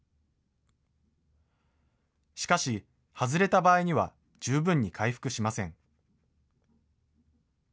しかし、外れた場合には十分に回復しません。